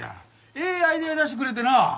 ええアイデア出してくれてな。